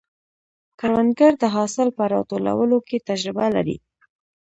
کروندګر د حاصل په راټولولو کې تجربه لري